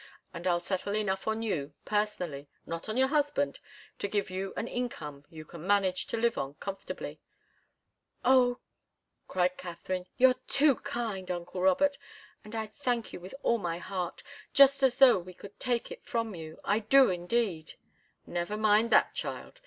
And I'll settle enough on you, personally not on your husband to give you an income you can manage to live on comfortably " "Oh!" cried Katharine. "You're too kind, uncle Robert and I thank you with all my heart just as though we could take it from you I do, indeed " "Never mind that, child.